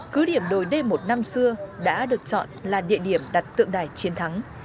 cư điểm đối đêm một năm xưa đã được chọn là địa điểm đặt tượng đài chiến thắng